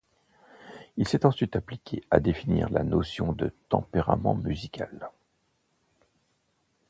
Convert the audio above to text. Il s'est ensuite appliqué à définir la notion de tempérament musical.